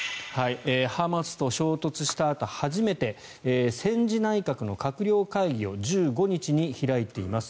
ハマスと衝突したあと初めて戦時内閣の閣僚会議を１５日に開いています。